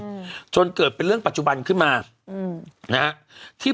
โบห์หยิบเงินในซองตนมองเป็นเรื่องส่วนตัวที่เราได้ขอไป